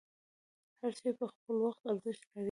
هر شی په خپل وخت ارزښت لري.